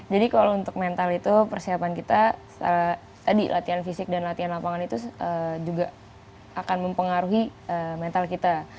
jadi kalau untuk mental itu persiapan kita tadi latihan fisik dan latihan lapangan itu juga akan mempengaruhi mental kita